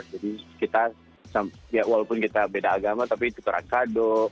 jadi kita walaupun kita beda agama tapi tukeran kado